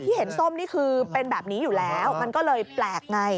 เห็นส้มนี่คือเป็นแบบนี้อยู่แล้วมันก็เลยแปลกไง